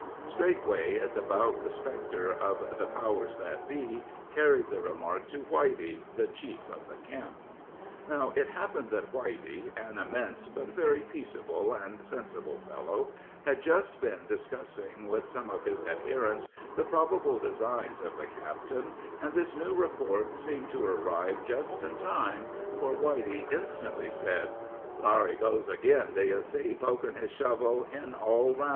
Straightway a devout respecter of the "powers that be" carried the remark to Whitey, the chief of the camp. Now, it happened that Whitey, an immense but very peaceable and sensible fellow, had just been discussing with some of his adherents the probable designs of the captain, and this new report seemed to arrive just in time, for Whitey instantly said: "Thar he goes agin, d'ye see, pokin' his shovel in all aroun'.